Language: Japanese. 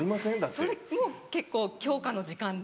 それも結構強化の時間で。